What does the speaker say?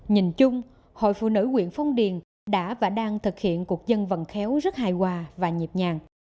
nhìn chung hội phụ nữ huyện phong điền đã và đang thực hiện cuộc dân vận khéo rất hài hòa và nhịp nhàng